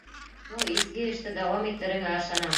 Был изге эште дауам итереңә ышанам.